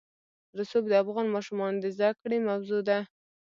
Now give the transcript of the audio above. رسوب د افغان ماشومانو د زده کړې موضوع ده.